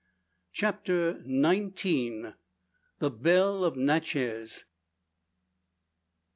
CHAPTER NINETEEN. THE "BELLE OF NATCHEZ."